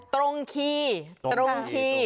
ตรงคีตรงขี้